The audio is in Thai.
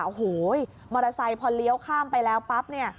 โอ้โหมอเตอร์ไซค์พอเลี้ยวข้ามไปแล้วปั๊บเนี่ย